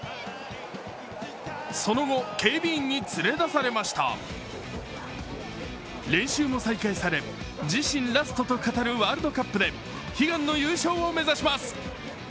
その後、警備員に連れ出されました練習も再開され、自身ラストと語るワールドカップで悲願の優勝を目指します。